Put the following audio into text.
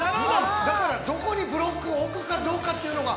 だから、どこにブロックを置くかどうかというのが。